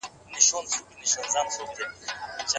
ولي د لري واټن زده کړه له مخامخ زده کړي څخه توپیري بڼه لري؟